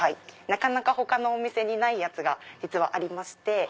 なかなか他のお店にないやつが実はありまして。